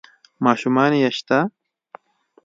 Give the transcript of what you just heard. ـ ماشومان يې شته؟